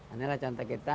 inilah contoh kita